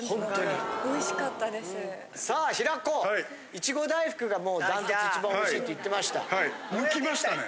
いちご大福がもう断トツ一番おいしいって言ってました。